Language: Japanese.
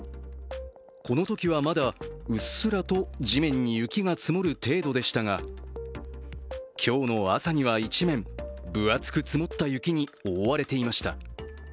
このときはまだうっすらと地面に雪が積もる程度でしたが今日の朝には一面、分厚く積もった雪に覆われていました。